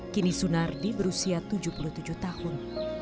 kini sunardi berusia tujuh puluh tujuh tahun